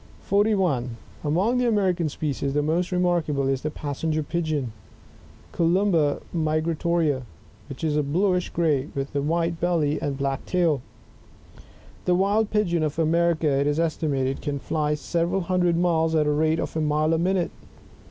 41. [Among the American species, the most remarkable is the Passenger Pigeon^ — Cnhimba migratoria, — which is bluish gray, with a white belly and bjack tail. The wild Pigeon of America, it is estimated, can fly several hundred miles at the rate of a mile a minute.